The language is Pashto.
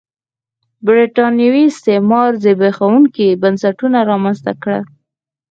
برېټانوي استعمار زبېښونکي بنسټونه رامنځته کړل.